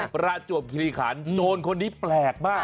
ประจวบคิริขันโจรคนนี้แปลกมาก